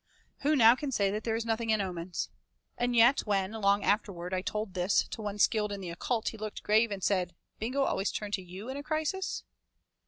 Who now can say that there is nothing in omens? And yet when, long afterward, I told this to one skilled in the occult, he looked grave, and said, "Bingo always turned to you in a crisis?"